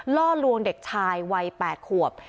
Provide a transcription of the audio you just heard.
ล่อลวงเด็กชายวัย๘ขวบ